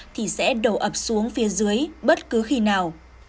thì sẽ đổ ập xuống phía dưới bất cứ khi nào